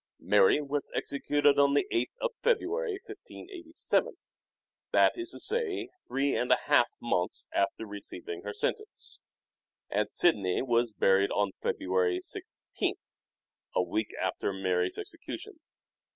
Mary was executed on the 8th of February, 1587, that is to say three and a half months after receiving her sentence, and Sidney was buried on February i6th a week after Mary's execution.